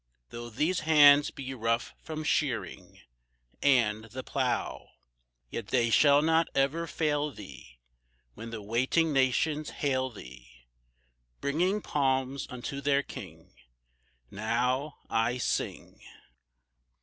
Though these hands be rough from shearing And the plow, Yet they shall not ever fail Thee, When the waiting nations hail Thee, Bringing palms unto their King. Now I sing.